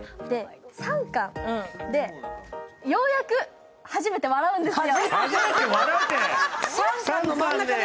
３巻でようやく初めて笑うんですよ。